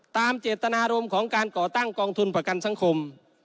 ตามเจตนารมณ์ของการก่อตั้งกองทุนประกันสังคม